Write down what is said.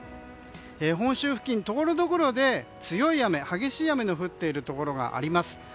本州付近ところどころで強い雨激しい雨の降っているところがあります。